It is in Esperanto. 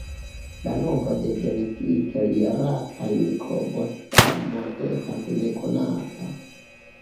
La nombro de genetike rilataj mikrobo-stamoj estas nekonata.